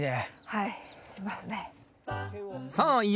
はい。